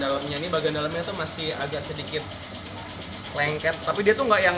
dalamnya ini bagian dalamnya tuh masih agak sedikit lengket tapi dia tuh enggak yang